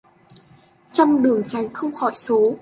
Trăm đường tránh không khỏi số.